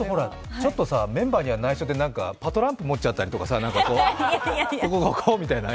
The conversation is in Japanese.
ちょっとメンバーには内緒でパトランプ持っちゃったりとか、ここここみたいな。